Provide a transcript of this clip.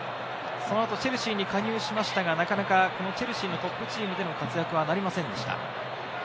そのあとチェルシーに加入しましたが、なかなかチェルシーのトップチームでの活躍はなりませんでした。